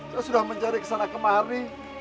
saya sudah mencari kesana kemari